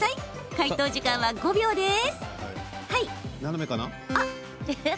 解答時間は５秒です。